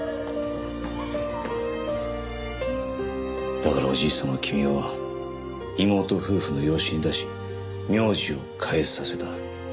だからおじいさんは君を妹夫婦の養子に出し名字を変えさせた。